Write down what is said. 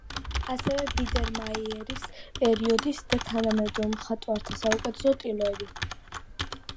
ასევე, „ბიდერმაიერის“ პერიოდის და თანამედროვე მხატვართა საუკეთესო ტილოები.